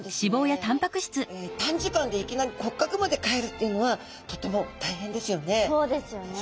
短時間でいきなり骨格まで変えるっていうのはとても大変ですよね。